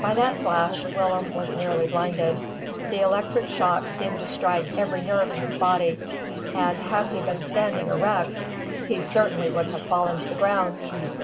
By that flash Willem was nearly blinded. The electric shock seemed to strike every nerve in his body, and, had he been standing erect, he certainly would have fallen to the ground.